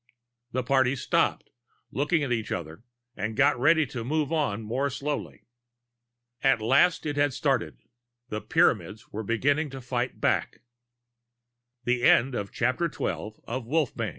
The party stopped, looked at each other, and got ready to move on more slowly. At last it had started. The Pyramids were beginning to fight back. XIII Citizeness Roget Germyn, widow, wok